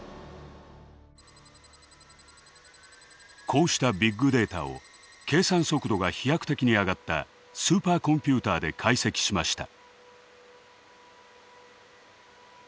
こうしたビッグデータを計算速度が飛躍的に上がったスーパーコンピューターで解析しました。